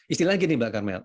istilahnya gini mbak karmel